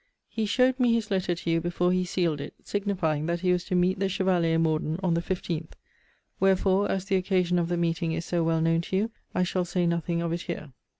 He showed me his letter to you before he sealed it; signifying, that he was to meet the Chevalier Morden on the 15th. Wherefore, as the occasion of the meeting is so well known to you, I shall say nothing of it here.